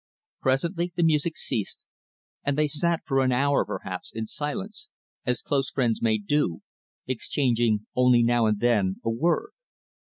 Presently, the music ceased, and they sat for an hour, perhaps, in silence as close friends may do exchanging only now and then a word.